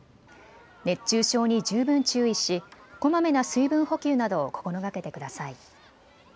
熱中症に十分注意しこまめな水分補給などを心がけてください。